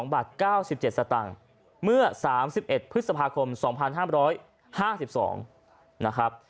๒บาท๙๗สตางค์เมื่อ๓๑พฤษภาคม๒๕๕๒นะครับ